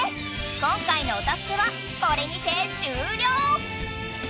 今回のおたすけはこれにて終りょう！